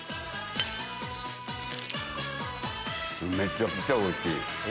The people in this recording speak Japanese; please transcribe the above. めちゃくちゃおいしい。